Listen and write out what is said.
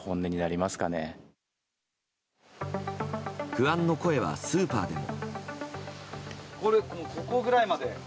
不安の声はスーパーでも。